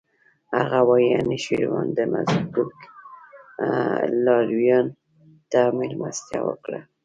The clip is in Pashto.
هغه وايي انوشیروان د مزدک لارویانو ته مېلمستیا وکړه.